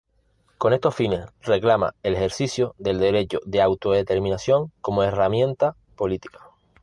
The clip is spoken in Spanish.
Con estos fines reclama el ejercicio del derecho de autodeterminación como herramienta política.